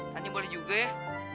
ran ini boleh juga ya